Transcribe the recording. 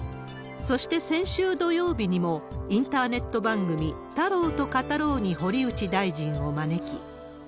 そして先週土曜日にも、インターネット番組、たろうとかたろうに堀内大臣を招き。